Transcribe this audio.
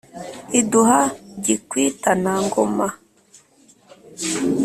iduha gikwitana-ngoma.